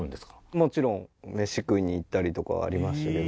もちろん飯食いに行ったりとかはありましたけど。